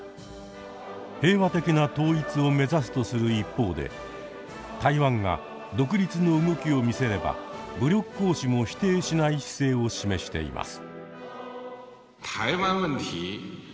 平和的な統一を目指すとする一方で台湾が独立の動きを見せれば武力行使も否定しない姿勢を示しています。